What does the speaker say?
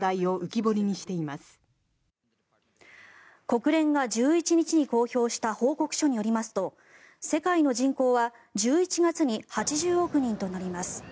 国連が１１日に公表した報告書によりますと世界の人口は１１月に８０億人となります。